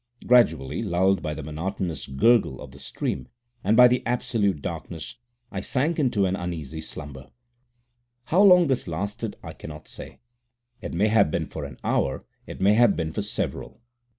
Gradually, lulled by the monotonous gurgle of the stream, and by the absolute darkness, I sank into an uneasy slumber. How long this lasted I cannot say. It may have been for an hour, it may have been for several.